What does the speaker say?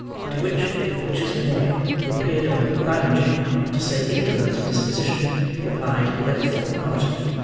To which, the butcher's boy: who appeared of a lounging, not to say indolent disposition: replied, that he thought not.